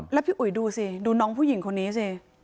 แล้วพี่อุ๋ยดูสิดูน้องผู้หญิงคนนี้สิ